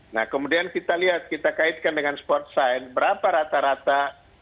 nah kemudian kita lihat kita kaitkan dengan sport science berapa rata rata